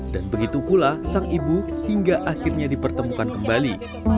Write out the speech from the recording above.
dan begitu pula sang ibu hingga akhirnya dipertemukan kembali